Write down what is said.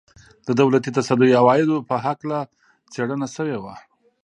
د دولتي تصدیو عوایدو په هکله څېړنه شوې وه.